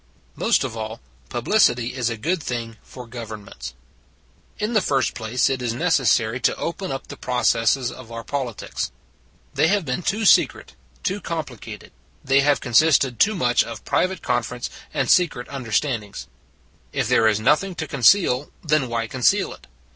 Most of all, publicity is a good thing for governments. In the first place, it is necessary to open up the processes of our politics. They have been too secret, too complicated: they have consisted too much of private conference and secret under standings. If there is nothing to conceal, then why conceal it